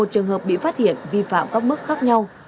một mươi một trường hợp bị phát hiện vi phạm các mức khác nhau